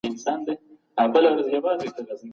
دا پوهه د پلان جوړوني په برخه کي ډېره ګټوره ده.